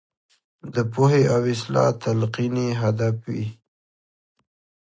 د پوهې او اصلاح تلقین یې هدف وي.